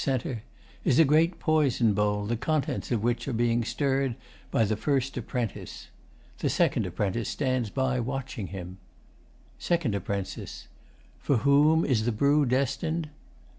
is a great poison bowl, the contents of which are being stirred by the FIRST APPRENTICE. The SECOND APPRENTICE stands by, watching him. SECOND APP. For whom is the brew destin'd?